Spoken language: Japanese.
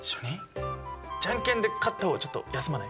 じゃんけんで勝った方がちょっと休まない？